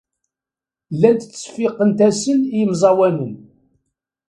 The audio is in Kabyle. Llant ttseffiqent-asen i yemẓawanen.